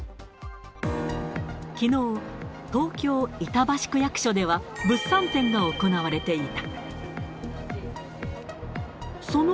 きのう、東京・板橋区役所では、物産展が行われていた。